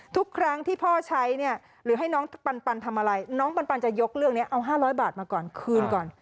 ทุกครั้งที่พ่อใช้เนี่ยหรือให้น้องปันทำอะไรน้องปันจะยกเรื่องนี้เอา๕๐๐บาทมาก่อนคืนก่อน